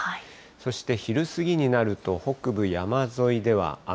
そして昼過ぎになると、北部山沿いでは雨。